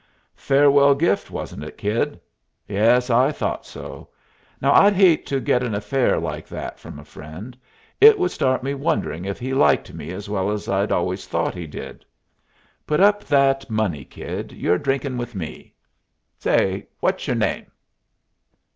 "Farewell gift, wasn't it, kid? Yes; I thought so. Now I'd hate to get an affair like that from a friend. It would start me wondering if he liked me as well as I'd always thought he did. Put up that money, kid. You're drinking with me. Say, what's yer name?"